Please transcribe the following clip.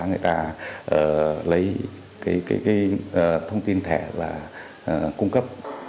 người ta lấy cái thông tin thẻ và cung cấp